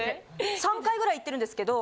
３回ぐらい行ってるんですけど。